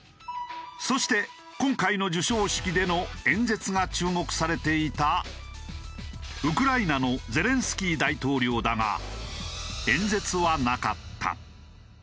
そして今回の授賞式での演説が注目されていたウクライナのゼレンスキー大統領だが。